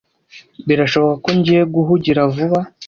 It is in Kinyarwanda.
Birashoboka ko ngiye guhugira vuba.